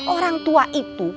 orang tua itu